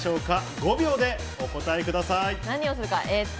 ５秒でお答えください。